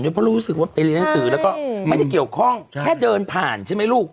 เพราะรู้สึกว่าไปเรียนหนังสือแล้วก็ไม่ได้เกี่ยวข้องแค่เดินผ่านใช่ไหมลูก